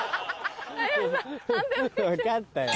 分かったよ。